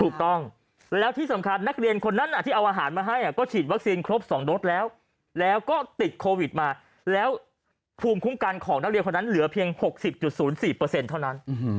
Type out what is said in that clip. ถูกต้องแล้วที่สำคัญนักเรียนคนนั้นที่เอาอาหารมาให้ก็ฉีดวัคซีนครบ๒โดสแล้วแล้วก็ติดโควิดมาแล้วภูมิคุ้มกันของนักเรียนคนนั้นเหลือเพียง๖๐๐๔เท่านั้น